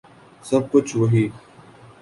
سَب کُچھ وہی